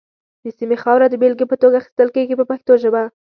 د سیمې خاوره د بېلګې په توګه اخیستل کېږي په پښتو ژبه.